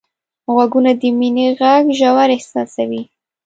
غوږونه د مینې غږ ژور احساسوي